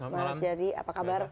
maaf jadi apa kabar